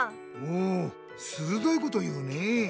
おおするどいことを言うねえ。